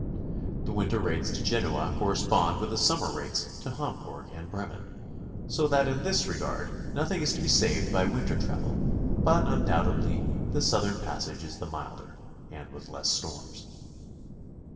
The winter rates to Genoa correspond with the summer rates to Hamburg and Bremen, so that in this regard nothing is to be saved by winter travel, but undoubtedly the southern passage is the milder, and with less storms.